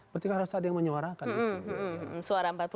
berarti harus ada yang menyuarakan